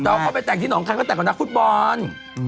น้องเขาไปแต่งที่น้องคลายเขาแต่งกับนักฟุตบอล